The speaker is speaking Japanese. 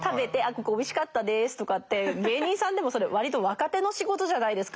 ここおいしかったですとかって芸人さんでもそれ割と若手の仕事じゃないですか。